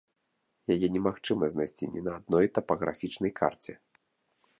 Яе немагчыма знайсці ні на адной тапаграфічнай карце.